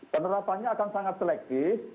penerapannya akan sangat selektif